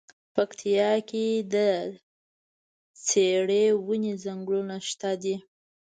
پکتيا کی د څیړۍ ونی ځنګلونه شته دی.